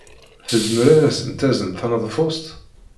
Tezmer ad asent-tazen taneḍfust?